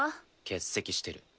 欠席してる。